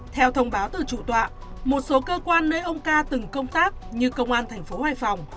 theo thông báo từ trụ tọa một số cơ quan nơi ông ca từng công tác như công an thành phố hải phòng